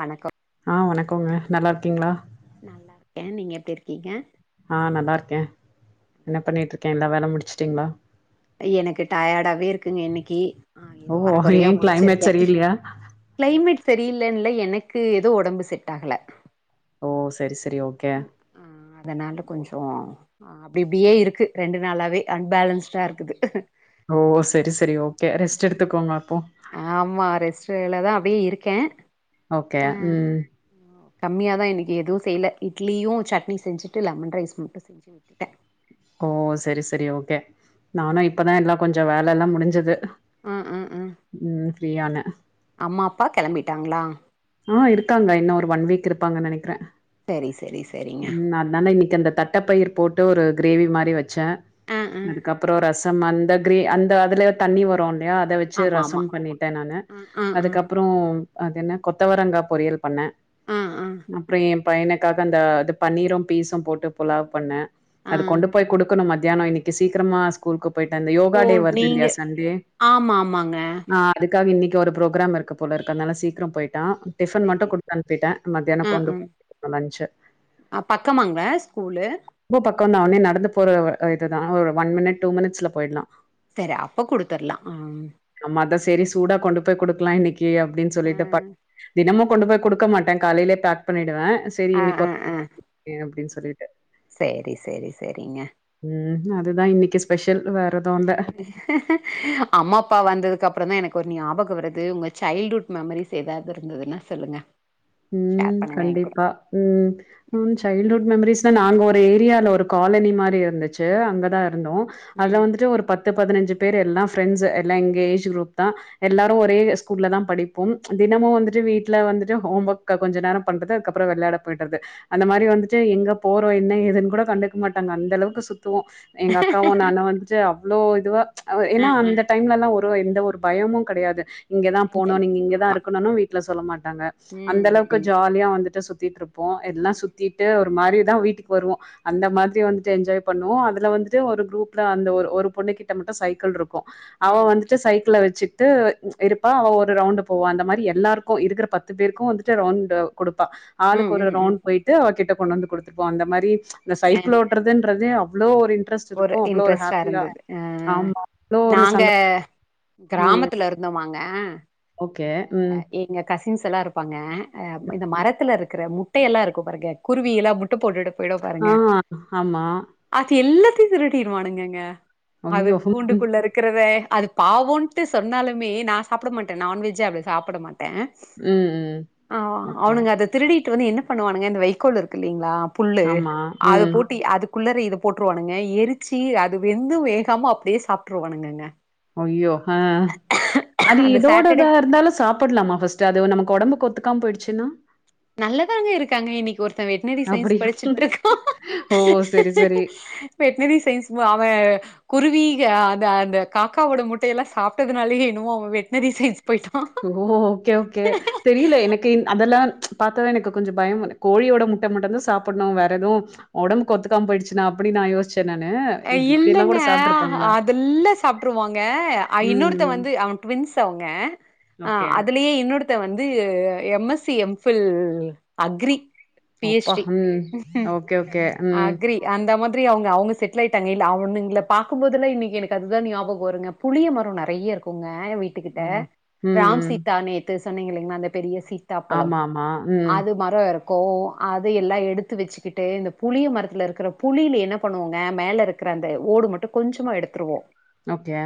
வணக்கம் ஆ வணக்கங்க நல்லா இருக்கீங்களா நல்லா இருக்கேன் நீங்க எப்படி இருக்கீங்க ஆ நல்லாருக்கே நல்லா என்ன இருக்கீங்ளா பண்ணிட்ருக்கே எல்லா வேல முடிச்ட்டீங்ளா எனக்கு டயாடாவே இருக்குங்க இன்னிக்கு ஆ ஓ! எதோ அரகொறையா ஏன் கிளைமேட் முடிச்சிருக்கே சரியில்லையா? கிளைமேட் செரியில்லன்னில்ல எனக்கு எதோ ஒடம்பு செட் ஆகல ஓ செரி ஸ் ம் ஆ அதனால கொஞ்சோ ஆ அப்டி இப்டியே இருக்கு ரெண்டு நாளாவே அன்பேலன்ஸ்டா இருக்குது ஓ செரி செரி ஓ ஆமா ரெஸ்ட்டுல தா அப்டியே இருக்கே ஓகே ம் கம்மியா தா இன்னிக் எது செய்யல இட்லியு, சட்னி செஞ்சிட்டு லெமன் ரைஸ் மட்டு செஞ்சு உட்டுட்டே ஓ செரி செரி ஓகே நானு இப்ப தா எல்லா கொஞ்சோ வேல எல்லா முடிஞ்சிது ம் ம் ம் ஃப்ரீயானே அம்மா அப்பா கெளம்பிட்டாங்களா ஆ இருக்காங்க இன்னு ஒரு ஒன் வீக் இருப்பாங்க நெனைக்கறே செரி செரி செரிங்க கிந்த தட்டப்பயிர் போட்டு ஒரு கிரேவி மாரி வெச்சே ஆ ஆ அதுக்கப்றோ ர சம் அந்த க்ரே அந்த அதுல தண்ணி வரு ல்லயா அத வெச்சு ஆமா ஆமா ரசம் பண்ணிட்டே நானு ம் ம் ம் அதுக்கப்றோ அதென்ன கொத்தவரங்கா பொரியல் பண்ணே ம் ம் அப்றோ எ பையனுக்காக அந்த அது பன்னீரு பீஸு போட்டு புலாவ் பண்ணே அது ம் கொண்டு போய் குடுக்கனு ம த்யானோ இன்னிக்கு சீக்கரமா ஸ்கூல்க்கு போய்ட்டு அந்த ஓ யோகா டே நீங்க வருதில்யா சண்டே ஆமா ஆமாங்க ஆ அது காக இன்னிக் ஒரு ப்ரோக்ராம் இருக்கு போலருக்கு அத்னால சீக்கரம் போய் ட்டா டிஃபன் மட்டு சேரி குடுத் அனுப்பிட்டே மத்யானோ ம் கொண்டு ம் [inaudible] லன்ச்சு அ பக்கமாங்க ஸ்கூலு பக்கந்தா ஒட்னே நடந்து போற அ இது தா ஒரு ஒன் மினிட் டூ மினிட்ஸ்ல போயிட்லா செரி அப்ப குடுத்தர்லா ஆ செரி சூடா கொண்டு போய் குடுக்கலா இன்னிக்கு அப்டின் சொல்லிட்டு ப தினமு கொண்டு போய் குடுக்க மாட்டே காலைலே பேக் பண்ணிடுவே செரி ஆ இன்னிக் ஆ [inaudible] ஆ அப்டின் சொல்லிட்டு சேரி சேரி சேரிங்க ம் ம் அது தா இன்னிக்கு ஸ்பெஷ் அம்மா அப்பா வந்ததுக்கப்பறந்தா எனக்கு ஒரு ஞாப கோ வருது உங்க சைல்டுஹுட் மெமரிஸ் எதாவ்து இருந்ததுன்னா சொல்லுங்க ஷேர் ம் பண்ணுங்க என் கூட கண்டிப்பா ம் ம் சைல்டுஹுட் மெமரிஸ்னா நாங்க ஒரு ஏ ரியால ஒரு காலணி மாரி இருந்துச்சு அங்க தா இருந்தோ ம் அதுல வந்துட்டு ஒரு பத் து பதினஞ்சு பேர் எல்லா ஃப்ரெண்ட்ஸு எல்லா எங்க ஏஜ் குரூப் தா ம் எல்லாரு ஒரே ஸ்கூல்ல தா படி ப்போ தினமு ம் வந்துட்டு வீட்ல வந்துட்டு ஹோம் ஒர்க்க கொஞ்ச நேரோ பண்றது அதுக்கப்றோ வெளாடப் போயிட்றது அந்த ம் மாரி வந்துட்டு எங்க போறோ என்ன எதுன் கூட கண்டுக்க மாட்டாங்க அந்தளவுக்கு சுத் துவோ எங்க அக்காவு நானு வந்துட்டு அவ்ளோ இதுவா அ ஆ ஏனா ஆ அந்த டைம்லல்லா ஒ ரு எந்த ஒரு பயமு கெடயாது இங்க தா போனு நீங்க இங்க தா ஆமா இருக்கனுன்னு வீட்ல சொல்ல மாட்டாங்க ம் அந்தளவுக்கு ம் ஜாலியா வந்துட்டு சுத்திட்ருப்போ எல்லா ம் சுத்திட்டு ஒரு மாரி தா வீட்டுக்கு வருவோ அந்த ம் மாத்ரி வந்துட்டு என்ஜாய் பண்ணுவோ அதுல வந்துட்டு ஒரு குரூப்ல அந்த ஒரு ஒரு பொண்ணு கிட்ட மட்டு சைக்கிள்ருக் கு அவ ம் வந்துட்டு சைக்கிள வெ ச்சுட்டு இருப்பா அவ ஒரு ரவுண்டு போவா அந்த மாரி எல்லாருக்கு இருக்கற பத்து பேருக்கு வந்து ட்டு ரவுண்டு குடுப்பா ம் ஆளுக்கு ஒரு ம் ம் ரவுண்ட் போய்ட்டு அவ கிட்ட கொண்டு வந்து குடுத்துருவோ அந்த மாரி இந்த சைக்கிள் ஓட்றதுன்றது அவ்ளோ ஒரு இன் ஒரு இன்ட்ரெஸ்ட்டா இருந்தது அ அ ஆமா அவ்ளோ ஒரு நாங்க சந்தோ ம் கிராமத்துல இருந்தோமாங்க ஓகே இந்த ம் எங்க கஸ் ஸின்ஸ் எல்லா இருப்பாங்க அ இந்த மரத்துலருக்கற முட்டையெல்லா இருக்கும் பாருங்க குருவியெல்லா முட் ட்டு போட்டுட்டு போயிடோ ஆ பாருங்க ஆமா அது எல்லாத் திருடீர்வானுங்கங்க அது ஐயோ! ம் கூண்டுக்குள்ள இருக்கிறத அது பாவோன்ட்டு சொன்னாலுமே நா சாப்பிட மாட்டேன் நான்வெஜ் அவ்ளோ சாப்பிட மாட் ட ம் ஆ ஓகே. அவனுங்க அத திருடிட்டு வந்து என்ன பண்ணுவானுங்க இந்த வைக்கோல் இருக்கு இல்லீங்களா புல்லு ஆமா அத ம். போட்டி அதுக் குள்ளறை இது போட்டுருவானுங்க எரிச்சு அது வெந்தும் வேகாம அப்படியே சாப்பிட்டுருவானுங்கங்க அய்யோ ஆ அது அந்த சாட்டர்டே எதோடதா இருந்தாலும் சாப்பட்லாமா ஃபர்ஸ்ட் அது நமக்கு உடம்புக் ஒத்துக்காம போயிடுச்சுன்னா நல்லதாங்க இருக்காங்க இன்னைக்கு ஒருத்தன் வெட்னரி சயின்ஸ் அப்படியா? படிச்சுட்டு இருக்கா ஓ! சரி, சரி. வெட்னரி சையின்ஸ் அவ குருவீக அந்த அந்த காக்காவோட முட்டையெல்லாம் சாப்பிட்டதுனாலயே என்னமோ அவ வெட்னரி சையின்ஸ் ஓ ஓக்கே ஓக்கே தெரியல எனக்கு அதெல்லா பாத்ததா எனக்கு கொஞ்சம் பயம் கோழியோட முட்ட மட்டும் தா சாப்பிடணும் வேற எதவும் உடம்பு ஒத்துக்காம போயிடுச்சுனா அப்டின்னு நா யோசிச் இல்லங்க அதெல்லா சாப்பிட்டுருவாங்க அ ம், இன்னொருத்த ம். வந்து அவ ட்வின்ஸ் ஸ் அவுங்க அ ஓகே. அதுலயே இன்னொடுத்த வந்து M S C M Phil agri B. H. அப்பா டி. உம் ஓகே ஓகே ம். அக்ரி அந்த மாரி திரி அவங்க அவங்க செட்டில் ஆயிட்டாங்க இல்ல அவுனுங்ள பாக்கும்போது இன்னைக்கு எனக்கு அதுதா ஞாபகம் வருங்க புளிய மரம் நிறைய இருக்குங்க என் வீட்டுக்கிட்ட ஓ! ம், ராம் ம். சீதா நேத்து சொன்னீங்க இல்லங்கலா அந்த பெரிய சீத்தாப்பழம் ஆமா, ஆமா. ம். அது மரம் இருக்கும் அது எல்லாம் எடுத்து வச்சுக்கிட்டு இந்தப் புளிய மரத்துல இருக்கிற புளியில என்ன பண்ணுவோங்க மேல இருக்கிற அந்த ஓடு மட்டும் கொஞ்சமா எடுத்துருவோ ஓகே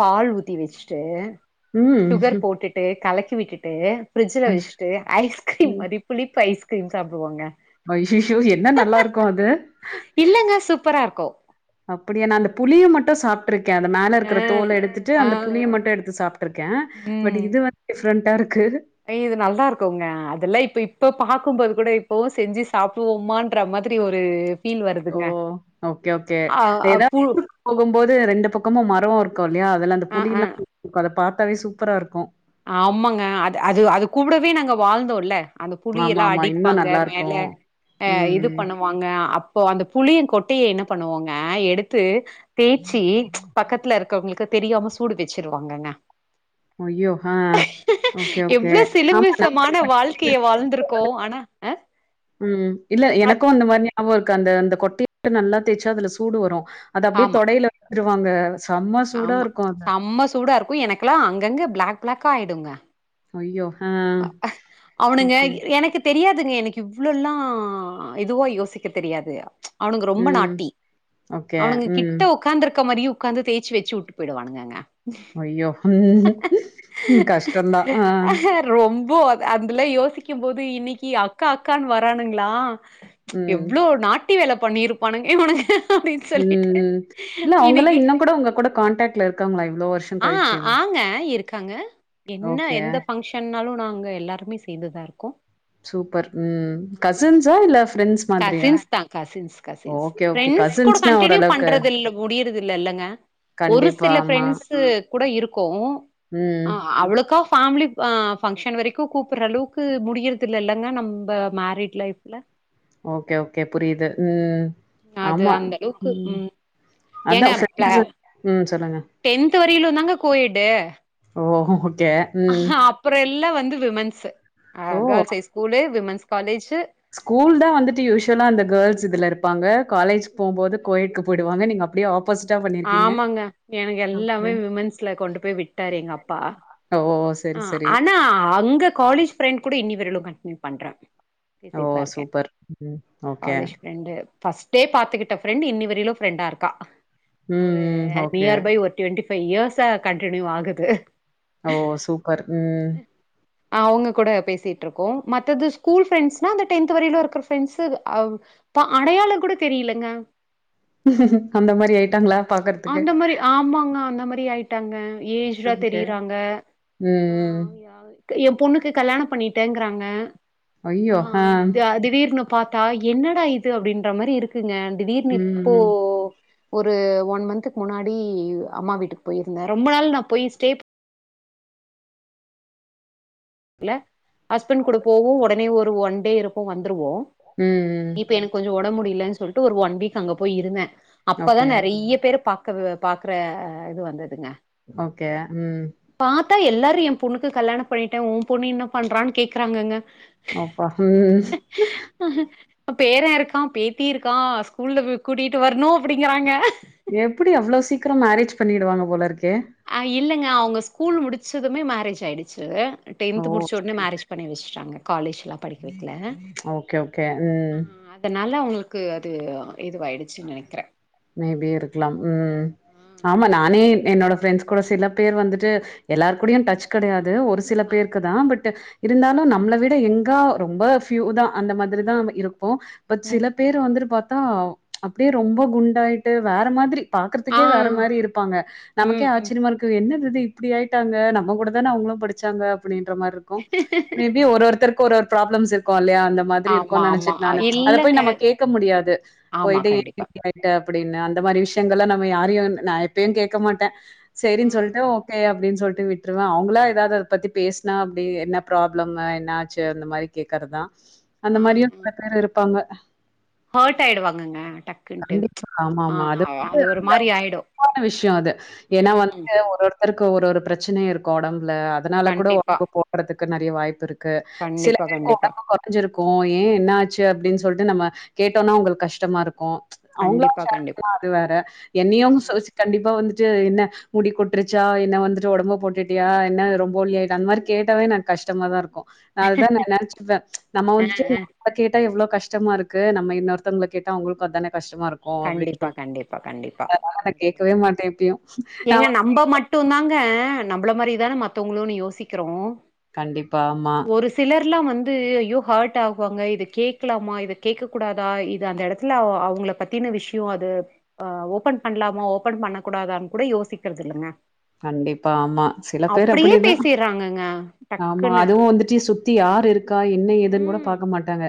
பால் ஊத்தி வெச்சுட்டு ம். சுகர் போட்டுட்டு கலக்கி விட்டுட்டு ஃப்ரிஜில் வச்சுட்டு ஐஸ்கிரீம் மாரி புளிப்பு ஐஸ்கிரீம் சாப்டுவோங்க ஐயைய்யோ என்ன நல்லா இருக்கு அது இல்லங்க சூப்பரா இருக்கோ அப்படியா நா அந்த புளிய மட்டும் சாப்பிட்டுருக் கேன் அந்த மேல அ, இருக்கிற தோல எடுத்துட்டு ஆ, அந்த புளியை மட்டும் எடுத்து சாப்பிட்டு இருக்கேன் பட் இது வந்து டிப்ரெண்டா இருக்கு அய் இது நல்லா இருக்கும்ங்க அதெல்லா இப்ப இப்பப் பாக்கும்போது கூட இப்பவும் செஞ்சு சாப்படுவோமன்ற மாதிரி ஒரு ஃபீல் ஓ வருதுங்க. ஓகே ஓகே ஆ அ ஏதா பு போகும்போது ரெண்டு பக்கமும் மரம் இருக்கும் இல்லையா அதுல அந்த அ புளி அ எல்லாம் அத பார்த்தாவே சூப்பரா இருக்கும் ஆமாங்க அது அது கூடவே நாங்க வாழ்ந்தோல்ல அந்த புளியெல்லா ஆமாமா. இன்னும் அடிப்பாங்க மேல நல்லாருக்கும். அ இது ம். பண்ணுவாங்க அப் போ அந்த புளியின் கொட்டையை என்ன பண்ணுவோங்க எடுத்து தேய்ச்சி பக்கத்துல இரு அவுங்களுக்கு தெரியாம சூடு வெச்சிருவாங்கங்க அய்யோ ஆ ஓகே ஓகே எவ்ளோ ஆமா சிலுமிசமான வாழ்க்கைய வாழ்ந்திருக்கோ. ஆனா [unintelligible] அ உம் இல்ல அ எனக்கு அந்த மாரி ஞாபம் இருக்கு அந்த அந்த கொட்டையா நல்லா தேய்ச்சா அதுல சூடு வரு அது அப்டியே ஆமா தொடையில ருவாங்க ஆமா செம்ம சூடா இருக்கு எனக்கெல்லா அங்கங்க பிளாக் பிளாக்கா ஆயிடுங்க ஐயோ! ஆ. அவனுங்க ஓகே. எனக்கு தெரியாது எனக்கு இவ்வளோ எல்லா இதுவா யோசிக்க தெரியாது அவுனுங்கோ ரொம்ப ம். நாட்டி ஓகே. அவுனுங்கோ ம். கிட்ட உக்காந்துருக் க்க மாரி உக்காந்து தேய்ச்சு வெச்சு விட்டு போய்டுவானுங்கங்க அய்யோ உம் கஷ்டோ தா ஆ ரொம்போ அது அதுல யோசிக்கு போது இன்னிக்கு அக்கா அக்கான்னு வரானுங்களா ம். எவ்ளோ நாட்டி வேல பண்ணிருப்பானுங்க இவுனுங்க உம்ம இல்ல அவங்கெல்லா இன்னோ கூட உங்க கூட காண்டாக்ட்ல இருக் காங்ளா இவ்ளோ வர்ஷோ ஆ கழிச்சுயுங் ஆங்க இருக்காங்க என்ன எந்த பங்க்ஷனாலு நாங்க எல்லாருமே சேந்து தா இருக்கோ சூப்பர் ம் கசின்ஸா இல்ல ப்ரெண்ட்ஸ் கசின்ஸ் தா கசின்ஸ் கசின்ஸ் ஓகே. பிரெண்ட்ஸ் கூட கசின்ஸ்னா கண்டினியூ ஓரளவுக்கு பண்றது இல் முடியறது இல்ல இல்லங்க ஒரு கண்டிப்பா. சில ஆமா. ப்ரெண்ட்ஸு கூட இருக்கோ ம். அ அவளுக்கா ஃபேமிலி அ ஃபங்க்ஷன் வரைக்கு கூப்பற அளவுக்கு முடியறது இல்ல இல்லங்க நம்ம மேரிட் லைஃப்ல ஓகே ஓகே புரியுது ம் அது ஆமா அந்த அளவுக்கு ம் அதா ஏங்க ப்ள ஃப்ரெண்ட்ஸு ம் சொல்லுங்க. டென்த் வரியிலு தாங்க கோயட்டு ஓ! ஓகே. ம். அப்புறோ எல்லா வந்து விமென்ஸ் அ ஓ! கேர்ள்ஸ்‌ ஐ ஸ்கூலு விமென்ஸ் காலேஜ் ஸ்கூல் தா வந்துட்டு யூஷ்வலா அந்த கேர்ள்ஸ் இதுல இருப்பாங்க காலேஜ் போம் போது கோயட் போயிடுவங்க நீங்க அப்டியே ஆப் ஆமாங்க எனக்கு எல்லாமே ஓகே. விமென்ஸ்ல கொண்டு போய் விட்டாரு எங்க அப்பா ஓ! ஆ சரி, சரி. ஆனா அங்க காலேஜ் ஃப்ரெண்ட் கூட இன்னி வரையிலு கண்டினியூ பண்றே ஓ! பேசிட்டு தா இருக்கே சூப்பர். ம். Okay. College friend first day பாத்துக்கிட்ட ஃப்ரெண்ட் இன்னி வரையிலு ஃப்ரெண்டா இருக்கா ம், ஒரு ம். ஓகே. நியர் பை ஒரு டுவெண்டி ஃபைவ் இயர்ஸா கண்டினியூ ஆகுது பர் ம் அவுங்க கூட பேசிட்டு இருக்கோ மத்தது ஸ்கூல் ஃப்ரெண்ட்ஸ்னா அந்த டென்த் வரையில இருக்கற ஃப்ரெண்ட்ஸ் அவ் இப்ப அடையாள கூட தெரிலங்க அந்த மாரி ஆயிட்டாங்களா பாக்கறதுக்கு? அந்த மாரி ஆமாங்க அந்த மாரி ஆயிட்டாங்க ஏஜிடா ஓகே. தெரியறாங்க ம், ம். எயா பொண்ணுக்கு கல்யாணோ பண்ணிட்டேங்கிறாங்க ஆ திடீர்னு பாத்தா என்னடா இது அப்டின்ற மாரி இருக்குங்க திடீர்னு ம், இப்போ ம். ஒரு ஒன் மந்துக்கு முன்னாடி அம்மா வீட்டுக்கு போயிருந்த ரொம்ப நாள் நா போய் ஸ்டே ல ஹஸ்பண்ட் கூட போவோ உடனே ஒரு ஒன் டே இருப்போ வந்துருவோ ம், ம். இப்ப எனக்கு கொஞ்சோ ஒடம்பு முடியலன்னு சொல்லிட்டு ஒரு ஒன் வீக் அங்க போய் இருந்தே அப்பதா ஓகே. நெறைய பேற பாக்க பாக்குற இது வந்ததுங்க ஓகே ம் தா எல்லாரு என் பொண்ணுக்கு கல்யாண பண்ணிட்டே உன் பொண்ணு என்ன பண்றான்னு கேட்கறாங்கங்க அப்பா ம் பேர இருக்கா பேத்தி இருக்கா ஸ்கூல்ல போய் கூட்டிகிட்டு வரணு அப்படிங்கிறாங்க எப்டி அவ்ளோ சீக்கிரோ மேரேஜ் பண்ணிடுவாங்க போலிருக்கே அ இல்லங்க அவங்க ஸ்கூல் முடிச்சதுமே மேரேஜ் ஆயிடுச்சு டென் ஓ! முடிச்ச ஒட்னே சரி. மேரேஜ் பண்ணி வெஷ்ட்டாங்க காலேஜ் லா படிக்க வெக்கல ஓகே, ஓகே. ம். அ அதனால அவங்களுக் க்கு அது இதுவயிடுச்சுன்னு நெனைக்கிறே மேபி இருக்கலாம் ம் ஆ ஆமா அது நானே என்னோட ஃப்ரெண்ட்ஸ் கூட சில பேர் வந்துட்டு எல்லாரு கூடயு டச் கெடையாது ஒரு சில ஆ பேருக்கு தா பட் இருந்தாலு நம்மள விட எங்கா ரொம்ப ஃப்யூ தா அந்த மாதிரிதா இருக் இப்போ பட் சில ம் பேர் வந்துட்டு பாத்தா அப்டியே ரொம்ப குண்டாயிட்டு வேற மாதிரி ஆ பாக்கறதுக்கே வேற மாரி இருப்பாங்க நமக்கே ம் ம் ஆச்சரியமா இருக்கு இவ என்ன இது இப்டி ஆயிட்டாங்க நம்ம கூட தானே அவுங்களு படிச்சாங்க அப்டின்ற மாரி இருக்கு மேபி ஒரு ஒருத்தருக் க்கு ஒரு ஒரு ப்ராப்ளம்ஸ் இருக்கு இல்லையா அந்த மாதிரி ஆமா இருக்குன்னு ஆமா நெனைச்சிட்டே நானு அத போய் இல்லங்க நம்ம கேக்க முடியாது ஆமா கண்டிப்பா [inaudible] அப்டின்னு அந்த மாரி விஷயங்கள்லா நம்ம யாரையு நா எப்பயு கேட்க மாட்டே சேரின் சொல்டு ம் ஓகே அப்டின் சொல் டு விட்ருவே அவுங்களே ஏதாது அத பத்தி பேசனா அப்டி என்ன ப்ராப்ளம் என்னாச்சி அந்த மாரி கேக்கறதுதா அந்த மாரியு பல பேரு இருப்பாங்க ஹோ்ட் ஆயிடுவாங்கங்க டக் கண்டிப்பா ஆமா ஆமா அது லந்து மாரி [unintelligible] ஆயிடு றான விஷயம் அது ஏன்னா ம் வந்து ஒவ்வொருத்தர்க் கு ஒரு ஒரு பிரச்சனை இருக்கு ஒடம்புல அதனால கூட கண்டிப்பா ஒடம்பு போடுறதுக்கு நிறைய வாய்ப்பு இருக் கு‌ சில கண்டிப்பா பேருக்கு கண்டிப்பா ஒடம்பு குறைஞ்சிருக்கு ஏன் என்ன ஆச்சு அப்டின் சொல்லிட்டு நம்ம கேட்டோம்னா அவுங்களுக்கு கஷ்டமா இருக்கு அவங்களா கண்டிப்பா ஷேர் கண்டிப்பா பண்ணா அது வேற என்னைய அவங்க ம் [unintelligible] கண்டிப்பா வந்துட்டு என்ன முடி கொட்டுருச்சா என்ன வந்துட்டு ஒடம்பு போட்டுட்டியா என்ன ரொம்ப ஒலிய ஆயிட்ட அந்த மாதிரி கேட்டாவே எனக்கு கஷ்டமா தா இருக்கு நான் அதா நா நனைச்சுவே நம்ம ஆ வந்துட்டு ஆ நம்ம கேட்டா எவ்ளோ கஷ் டமா இருக்கு நம்ம இன்னொருத்தவங்க கேட்டா அவங்களுக்கு அதான கண்டிப்பா கண்டிப்பா கண்டிப்பா நா கேட்கவே மாட்டே எப்பயு நா ஏங்க நம்ப மட்டும் நாங்க நம்மள மாரிதான மத்தவங்களு யோசிக்கிறோ கண்டிப்பா ஆமா [unintelligible] லாம் வந்து ஐயோ ஹர்ட் ஆவாங்க இது கேட்கலாமா இத கேட்க கூடாதா இது அந்த இடத்துல அவர் அவங்கள பத்தி பத்தின விஷயம் அது அ ஓபன் பண்ணலாமா ஓபன் பண்ணக் கூடாதான்னு கூட யோசிக்கிறது இல்லங்க கண்டிப்பா ஆமா சில பேர் அப்படியே அப்டிதா பேசிர்றாங்கங்க ஆமா டக்குன்னு. அதுவும் வந்துட்டு சுத்தி யாரு இருக்கா என்ன ஏதுன்னு கூட ம். பாக்க மாட்டாங்க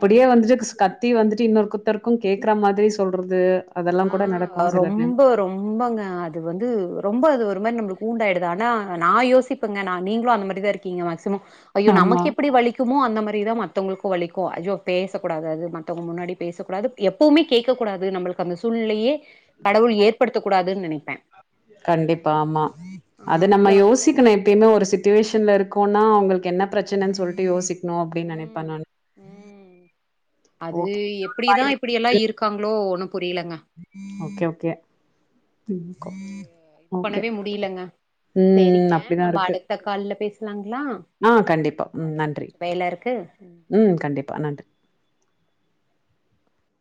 ம். வந்துட்டு கத்தி வந்துட்டு இன்னொரு குத்தருக்கு கேக்குற மாதிரி சொல்ற ஆ ரொம்ப ரொம்பங்க அது வந்து ரொம்ப அது ஒரு ஒரு மாரி நமக் ஹுண்டாயிடு ஆனா நா யோசிப்பங்க நா நீங்களு அந்த மாரி தா இருக்கீங்க மேக்சிம ஐயோ ஆமா நமக்கு எப்டி வலிக்குமோ அந்த மாரிதா மத்தவங்களு இங்கு வலிக்கும் அய்யோ பேசக்கூடாது மத்தவங்க முன்னாடி பேசக்கூடாது எப்பவுமே கேடக்கூடாது நம்மளுக்கு அந்த சூழ்நிலையே கடவுள் ஏற்படுத்தக் கூடாது நினைப்பே கண்டிப்பா ஆமா அது நம்ம யோசிக்கணும் எப்பயுமே ஒரு சிட்டுவேஷன்ல இருக் குனா அவங்களுக்கு என்ன பிரச்சனன்னு சொல்ட்டு யோசிக்கணும் அப்படின்னு நினைப்ப ம் நா ம் அது எப்படிதா இப்படிய எல்லா இருக்காங்களோ ஒண்ணு ஓகே ஓகே ம் கோ அது இது ஓகே பண்ணவே முடியலங்க ம் சேரிங்க அப்படிதா நம்ம அருத்து அடுத்த கால்ல பேசலாங்களா ஆ கண்டிப்பா ம் ஓகே நன்றி கொஞ்சோ வேல இருக்கு ம் கண்டிப்பா நன்றி